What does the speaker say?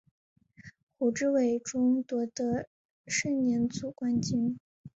胡志伟中夺得盛年组冠军。